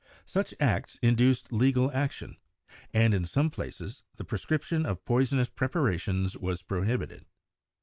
Such acts induced legal action, and in some places the prescription of poisonous preparations was prohibited.